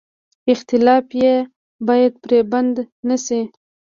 اختلاف یې باید پرې بد نه شي.